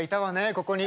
ここに。